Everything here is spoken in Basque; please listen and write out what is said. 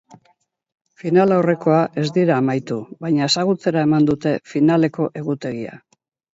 Finalaurrekoa ez dira amaitu, baina ezagutzera eman dute finaleko egutegia.